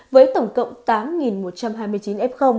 với tổng cộng tám một trăm hai mươi chín f